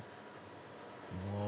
もう！